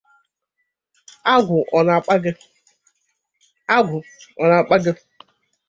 agwụ ọ nà-àkpá gị?"